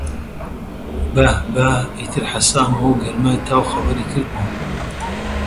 بەهـ بەهـ! ئیتر حەسامەوە و گەرمای تاو خەبەری کردمەوە